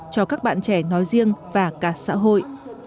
cho các bạn trẻ nói riêng và cả xã hội